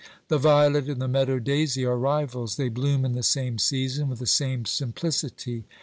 The violet and the meadow daisy are rivals. They bloom in the same season, with the same simplicity.